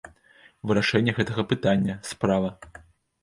Вырашэнне гэтага пытання, справа.